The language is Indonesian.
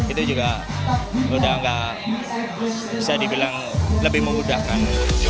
itu juga udah nggak bisa dibilang lebih memudahkan